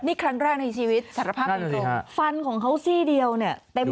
นี่ครั้งแรกในชีวิตศรภากันตรงคลุมฟันของเขาซี่เดียวเนี่ย